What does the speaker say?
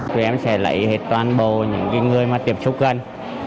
chúng em sẽ lấy hết toàn bộ những người mà tiếp xúc anh